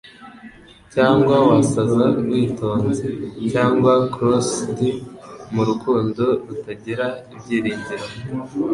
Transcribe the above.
Cyangwa wasaze witonze, cyangwa cross'd mu rukundo rutagira ibyiringiro.